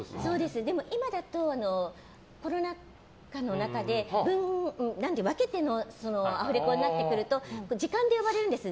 今だとコロナ禍の中で分けてのアフレコになってくると時間で割るんです。